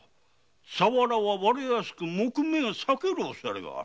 「椹」は割れやすく木目が裂ける恐れがある。